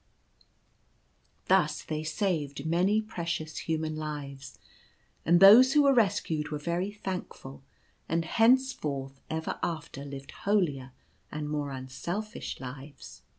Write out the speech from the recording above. Thus they saved many precious human lives, and those who were rescued were very thankful, and henceforth ever after lived holier and more unselfish lives.